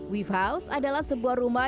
weve house adalah sebuah rumah